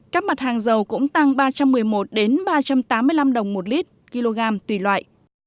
các mặt hàng dầu cũng tăng ba trăm một mươi một ba trăm tám mươi năm đồng một lít kg tùy loại